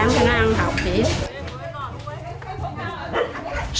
sáng lên đó ăn học chỉ